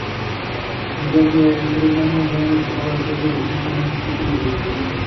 Ponce casó con Estefanía Ramírez, hija del conde Ramiro Froilaz, con sucesión.